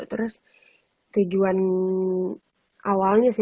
terus tujuan awalnya sih